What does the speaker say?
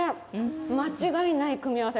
間違いない組み合わせ。